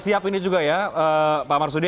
siap ini juga ya pak marsudi